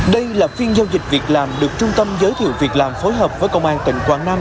đây là phiên giao dịch việc làm được trung tâm giới thiệu việc làm phối hợp với công an tỉnh quảng nam